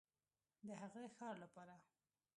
د هغه ښار لپاره